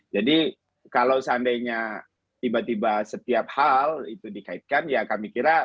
kalau seandainya tiba tiba setiap hal itu dikaitkan ya kami kira